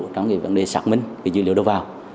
trong vấn đề xác minh dữ liệu đồ vào